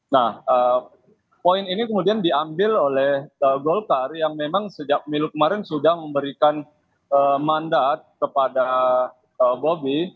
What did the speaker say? nah poin ini kemudian diambil oleh golkar yang memang sejak minggu kemarin sudah memberikan mandat kepada bobby